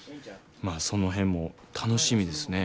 まあその辺も楽しみですね。